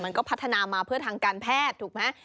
มันก็พัฒนามาเพื่อทางการแพทย์ถูกไหม